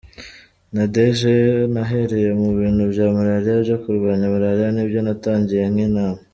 Nadege: eh, nahereye mu bintu bya Malaria, byo kurwanya Malaria, nibyo natangiye nkinamo.